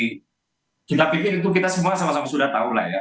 kita pikir itu kita semua sama sama sudah tahu lah ya